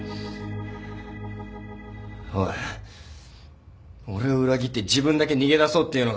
おい俺を裏切って自分だけ逃げ出そうっていうのか？